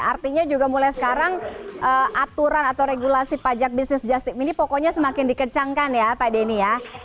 artinya juga mulai sekarang aturan atau regulasi pajak bisnis just tip just tip ini pokoknya semakin dikencangkan ya pak denny ya